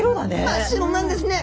真っ白なんですね。